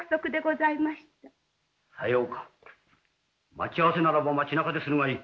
待ち合わせならば町なかでするがいい。